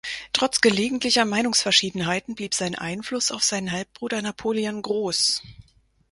Trotz gelegentlicher Meinungsverschiedenheiten blieb sein Einfluss auf seinen Halbbruder Napoleon groß.